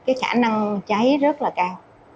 cái khả năng cháy rất là cao